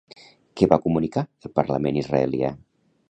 Què va comunicar el parlament israelià?